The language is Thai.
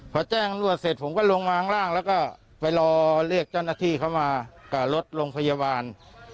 พอแจ้งรวดเสร็จผมก็ลงวางร่างแล้วก็ไปรอเรียกเจ้าหน้าที่เข้ามากับรถโรงพยาบาล